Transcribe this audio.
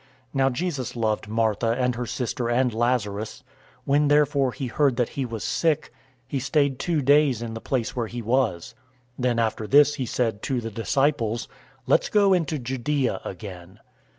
011:005 Now Jesus loved Martha, and her sister, and Lazarus. 011:006 When therefore he heard that he was sick, he stayed two days in the place where he was. 011:007 Then after this he said to the disciples, "Let's go into Judea again."